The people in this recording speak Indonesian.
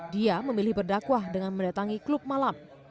dia memilih berdakwah dengan mendatangi klub malam